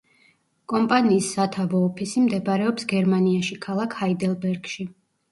კომპანიის სათავო ოფისი მდებარეობს გერმანიაში, ქალაქ ჰაიდელბერგში.